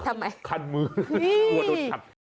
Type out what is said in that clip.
ทำไมคันมืออุ่นถัด